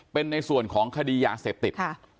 เป็นในส่วนของคดียาเสพติด